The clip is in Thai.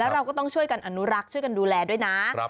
เราก็ต้องช่วยกันอนุรักษ์ช่วยกันดูแลด้วยนะ